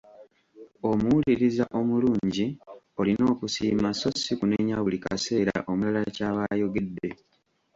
Omuwuliriza omulungi olina okusiima so si kunenya buli kaseera omulala ky’aba ayogedde.